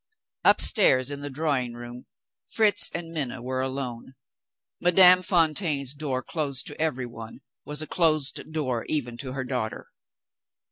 Upstairs, in the drawing room, Fritz and Minna were alone. Madame Fontaine's door, closed to everyone, was a closed door even to her daughter.